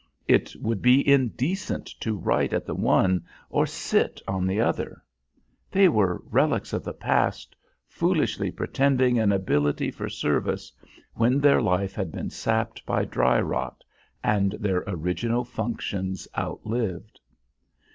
It would be indecent to write at the one or sit on the other. They were relics of the past, foolishly pretending an ability for service when their life had been sapped by dry rot and their original functions outlived.